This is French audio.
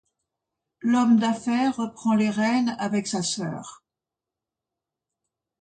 L'homme d'affaires reprend les rênes avec sa sœur.